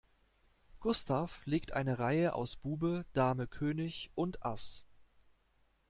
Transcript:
Gustav legt eine Reihe aus Bube, Dame König und Ass.